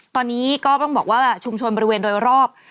ตอนนี้ก็ต้องบอกว่าชุมชนบริเวณโดยรอบ